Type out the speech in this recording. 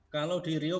kalau di riau